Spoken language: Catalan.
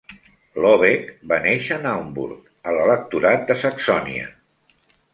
Lobeck va néixer a Naumburg, a l'electorat de Saxònia.